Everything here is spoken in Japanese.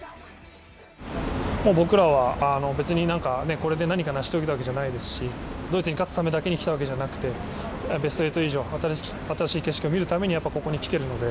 僕らは、別にこれで何か成し遂げたわけじゃないですし、ドイツに勝つためだけに来たわけじゃなくてベスト８以上新しい景色を見るためにここに来ているので。